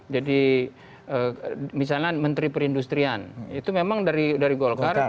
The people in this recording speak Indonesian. jadi misalnya menteri perindustrian itu memang dari golkar